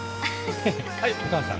はいお母さん。